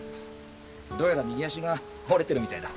どうやら右足が折れてるみたいだ。